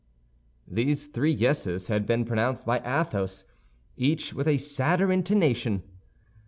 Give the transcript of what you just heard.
These three yeses had been pronounced by Athos, each with a sadder intonation.